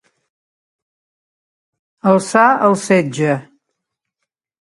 Alçar el setge.